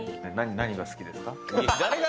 何が好きですか。